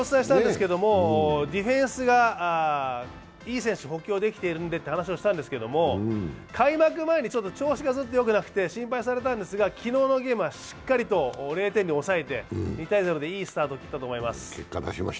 ディフェンスがいい選手補強できているんでという話をしたんですが開幕前に調子がずっとよくなくて心配されたんですが、昨日のゲームはしっかりと０点に抑えて２−０でいいスタートを切ったと思います。